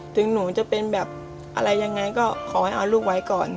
ถึงหนูจะเป็นแบบอะไรยังไงก็ขอให้เอาลูกไว้ก่อน